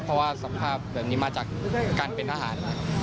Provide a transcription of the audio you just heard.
เพราะว่าสภาพแบบนี้มาจากการเป็นทหาร